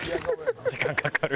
時間かかる。